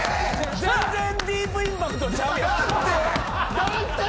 全然ディープインパクトちゃうやん。